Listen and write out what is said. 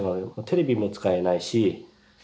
テレビも使えないし。